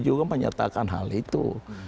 juga menyatakan hal itu